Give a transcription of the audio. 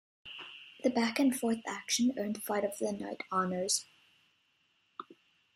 The back and forth action earned "Fight of the Night" honors.